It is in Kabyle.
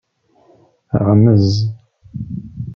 Teɣmez.